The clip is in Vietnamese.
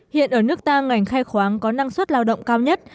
hiện ở nước ta ngành khai khoáng có năng suất lao động cao nhất